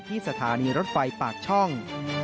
สถานีรถไฟปากช่อง